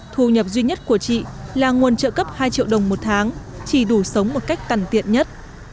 thu nhập duy nhất của chị là nguồn trợ cấp hai triệu đồng một tháng chỉ đủ sống một cách tằn tiện nhất